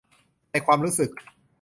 ในความรู้สึก